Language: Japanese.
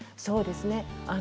そうですね。